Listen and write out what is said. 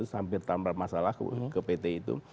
hampir tambah masalah ke pt itu